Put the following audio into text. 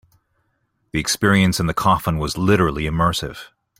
The experience in the coffin was literally immersive.